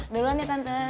duluan ya tante